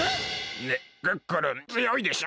ねっクックルンつよいでしょ？